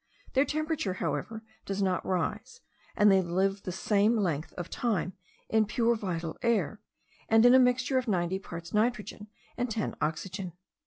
Their temperature however, does not rise; and they live the same length of time in pure vital air, and in a mixture of ninety parts nitrogen and ten oxygen.